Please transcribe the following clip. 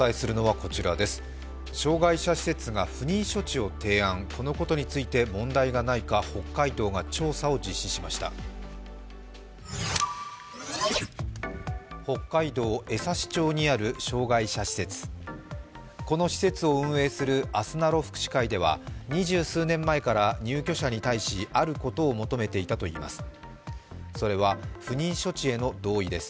この施設を運営するあすなろ福祉会では二十数年前から入居者に対しあることを求めていたといいます。